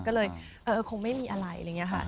ก็เลยเออคงไม่มีอะไรอะไรอย่างนี้ค่ะ